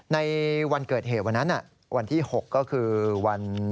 ในวันเกิดเหตุวันนั้นวันที่๖ก็คือวัน